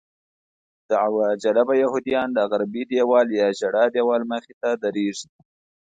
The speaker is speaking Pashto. دعوه جلبه یهودیان د غربي دیوال یا ژړا دیوال مخې ته درېږي.